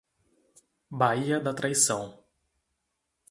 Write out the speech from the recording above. Baía da Traição